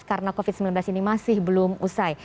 karena covid sembilan belas ini masih belum usai